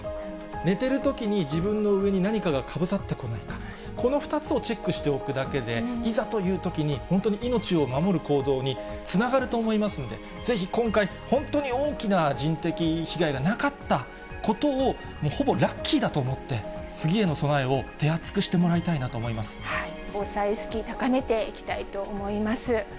寝てるときに自分の上に何かがかぶさってこないか、この２つをチェックしておくだけで、いざというときに本当に命を守る行動につながると思いますので、ぜひ今回、本当に大きな人的被害がなかったことを、ほぼラッキーだと思って、次への備えを手厚くしてもらいたいなと防災意識、高めていきたいと思います。